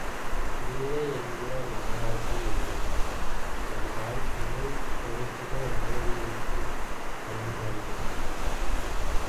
இல்லை என்கிற மகராசி இல்லை என்றாள் தினம் போடுகிற மூதேவிக்கு என்ன வந்தது?